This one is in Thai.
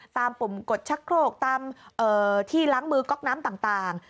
ปุ่มกดชักโครกตามที่ล้างมือก๊อกน้ำต่าง